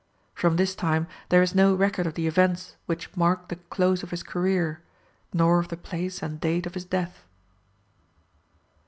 From this time there is no record of the events which marked the close of his career, nor of the place and date of his death.